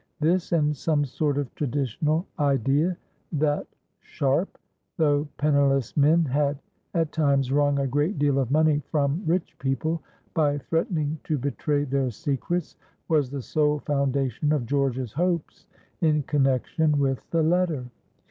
This and some sort of traditional idea that "sharp," though penniless men had at times wrung a great deal of money from rich people, by threatening to betray their secrets, was the sole foundation of George's hopes in connection with the letter.